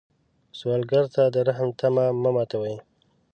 سوالګر ته د رحم تمه مه ماتوي